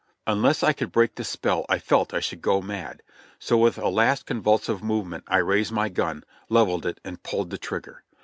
Unless I could break the spell I felt I should go mad ; so with a last convulsive movement I raised my gun, levelled it and pulled the trigger.